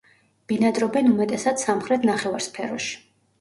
ბინადრობენ უმეტესად სამხრეთ ნახევარსფეროში.